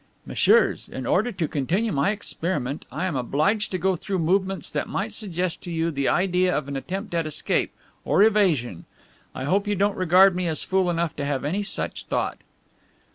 "Messieurs, in order to continue my experiment I am obliged to go through movements that might suggest to you the idea of an attempt at escape, or evasion. I hope you don't regard me as fool enough to have any such thought."